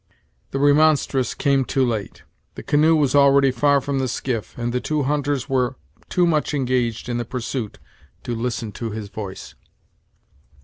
The remonstrance came too late; the canoe was already far from the skiff, and the two hunters were too much engaged in the pursuit to listen to his voice.